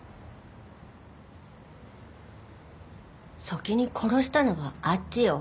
先に殺したのはあっちよ。